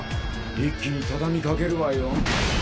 一気に畳みかけるわよん。